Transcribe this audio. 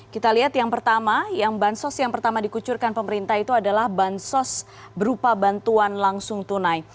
kita lihat yang pertama yang bansos yang pertama dikucurkan pemerintah itu adalah bansos berupa bantuan langsung tunai